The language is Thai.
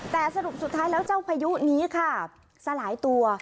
แต่สรุปสุดท้ายแล้วเจ้าพายุนี้ค่ะสลายตัว